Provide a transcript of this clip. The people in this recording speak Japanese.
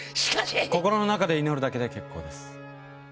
心の中で祈るだけで結構です。